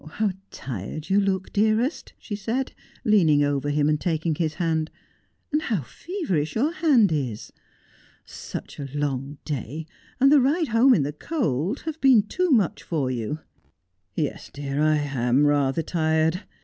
How tired you look, dearest,' she said, leaning over him and taking his hand, ' and how feverish your hand is ! Such a long day, and the ride home in the cold, have been too much for you.' ' Yes, dear, I am rather tired.